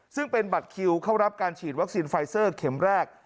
ซึ่งเป็นบัตรคิวเข้ารับการฉีดวัคซีนไฟเซอร์เข็มแรก